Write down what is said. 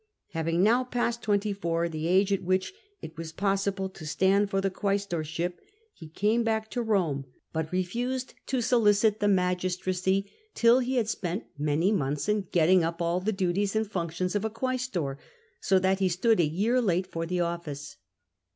Having now passed twenty four, the age at which it was possible to stand for the quaestorship, he came back to Eome, but refused to solicit the magistracy till he had spent many months in getting up all the duties and functions of a quaestor, so that he si ood a year late for the office.